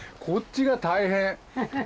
こっちが大変！